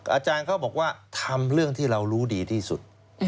อาจารย์เขาบอกว่าทำเรื่องที่เรารู้ดีที่สุด